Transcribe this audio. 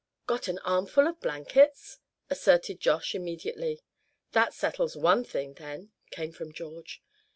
"Got an armful of blankets?" asserted Josh, immediately. "That settles one thing, then," came from George.